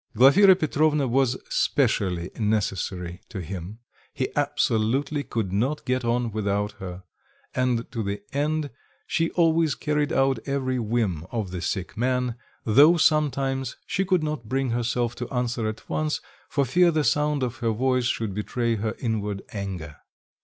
Glafira Petrovna was specially necessary to him; he absolutely could not get on without her and to the end she always carried out every whim of the sick man, though sometimes she could not bring herself to answer at once for fear the sound of her voice should betray her inward anger.